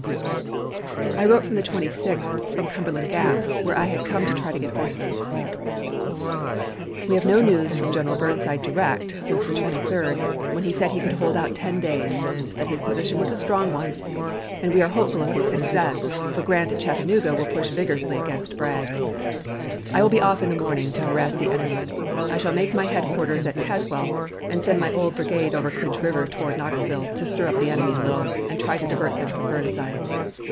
I wrote the 26th from Cumberland Gap, where I had come to try to get horses: "We have no news from General Burnside direct since the 23d, when he said he could hold out ten days, that his position was a strong one, and we are hopeful of his success for Grant at Chattanooga will push vigorously against Bragg. I will be off in the morning to harass the enemy. I shall make my headquarters at Tazewell, and send my old brigade over Clinch River toward Knoxville to stir up the enemy a little, and try to divert them from Burnside.